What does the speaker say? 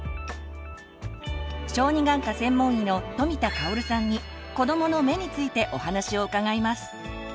小児眼科専門医の富田香さんに「子どもの目」についてお話を伺います。